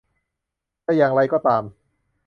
จะอย่างไรก็ตาม